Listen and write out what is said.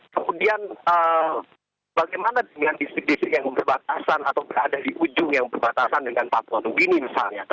kemudian bagaimana dengan distrik distrik yang berbatasan atau berada di ujung yang berbatasan dengan papua nugini misalnya